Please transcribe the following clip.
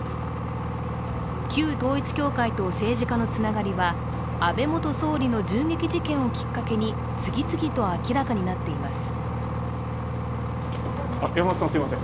旧統一教会と政治家のつながりは安倍元総理の銃撃事件をきっかけに次々と明らかになっています。